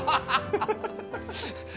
ハハハハ！